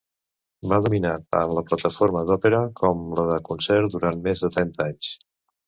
Va dominar tant la plataforma d'òpera com la de concert durant més de trenta anys.